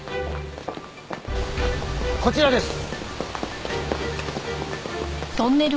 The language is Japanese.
こちらです。